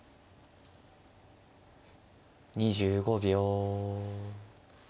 ２５秒。